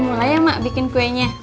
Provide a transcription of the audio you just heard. mulai ya mak bikin kuenya